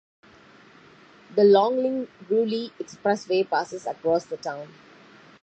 The Longling–Ruili Expressway passes across the town.